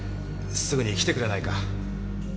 すぐに来てくれないか？